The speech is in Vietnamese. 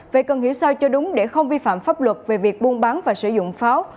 vậy cần hiểu sao cho đúng để không vi phạm pháp luật về việc buôn bán và sử dụng pháo